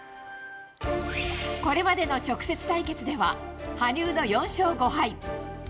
これまでの直接対決では羽生の４勝５敗。